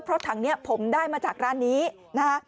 เพราะถังนี้ผมได้มาจากร้านนี้นะฮะ